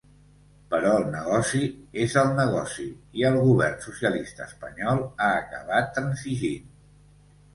Però el negoci és el negoci i el govern socialista espanyol ha acabat transigint.